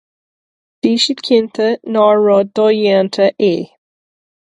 Bhí siad cinnte nár rud dodhéanta é.